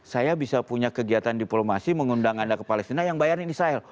saya bisa punya kegiatan diplomasi mengundang anda ke palestina yang bayarin israel